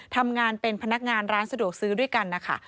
ทำงานเป็นพนักงานร้านสะดวกซื้อด้วยกันนะคะ